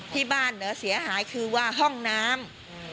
ที่บ้านเหรอเสียหายคือว่าห้องน้ำ